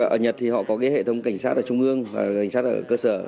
ở nhật thì họ có cái hệ thống cảnh sát ở trung ương và cảnh sát ở cơ sở